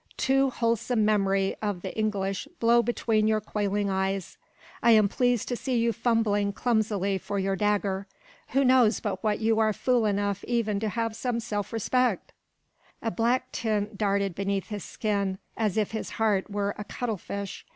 Too wholesome memory of the English blow between your quailing eyes. I am pleased to see you fumbling clumsily for your dagger. Who knows but what you are fool enough even to have some self respect?" A black tint darted beneath his skin, as if his heart were a cuttle fish.